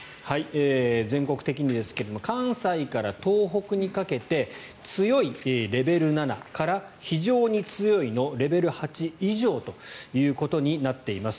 全国的にですが関西から東北にかけて強い、レベル７から非常に強いのレベル８以上ということになっています。